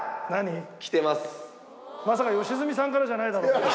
まさか良純さんからじゃないだろうね？